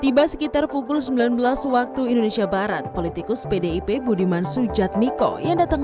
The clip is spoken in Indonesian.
tiba sekitar pukul sembilan belas waktu indonesia barat politikus pdip budiman sujatmiko yang datang